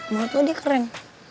menurut lo dia keren